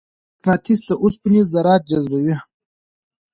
مقناطیس د اوسپنې ذرات جذبوي.